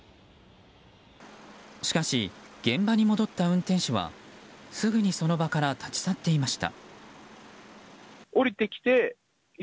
しかし、現場に戻った運転手はすぐにその場から立ち去っていました。